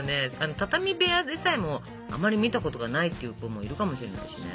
畳部屋でさえもあまり見たことがないっていう子もいるかもしれないしね。